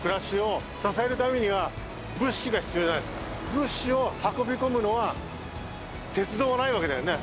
物資を運び込むのは鉄道もないわけだよね？